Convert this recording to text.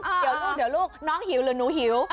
เดี๋ยวลูกน้องหิวหรือหนูหิว